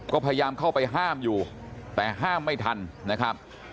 ก็พยายามเข้าไปห้ามอยู่แต่ห้ามไม่ทันนะครับ